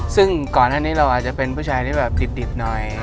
ซึ่งก่อนหน้านี้เราอาจจะเป็นผู้ชายที่แบบติดหน่อย